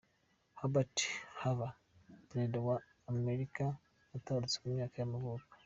Herbert Hoover, perezida wa wa Amerika yaratabarutse ku myaka y’amavuko.